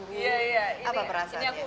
iya iya ini aku juga gak nyangka sih